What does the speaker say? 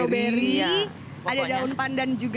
ada daun pandan juga